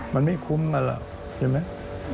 มันไม่คุ้มกันหรอกใช่ไหม